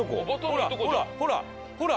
ほらほらほらほら！